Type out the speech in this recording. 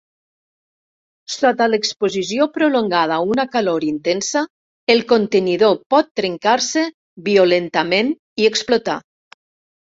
Sota l'exposició prolongada a una calor intensa, el contenidor pot trencar-se violentament i explotar.